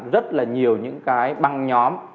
rất là nhiều những cái băng nhóm